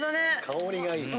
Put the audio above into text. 香りがいい。